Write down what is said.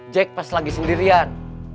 jack pas lagi sendirian